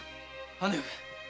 姉上！